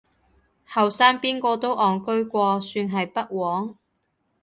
後生邊個都戇居過，算係不枉